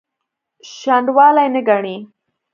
شنډوالي نه ګڼي.